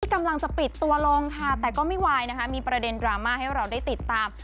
กำลังจะปิดตัวลงค่ะแต่ก็ไม่วายนะคะมีประเด็นดราม่าให้เราได้ติดตาม